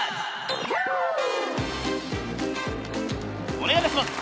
お願いいたします。